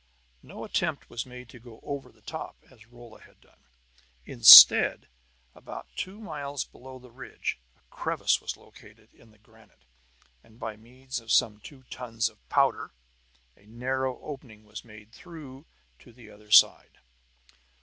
No attempt was made to go over the top as Rolla had done; instead, about two miles below the ridge a crevasse was located in the granite; and by means of some two tons of powder a narrow opening was made through to the other side.